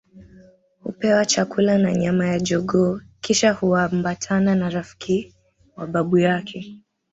Hupewa chakula na nyama ya jogoo kisha huambatana na rafiki wa babu yake